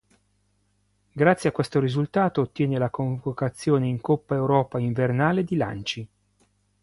Grazie a questo risultato ottiene la convocazione in Coppa Europa invernale di lanci.